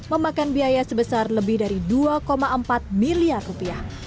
memakan biaya sebesar lebih dari dua empat miliar rupiah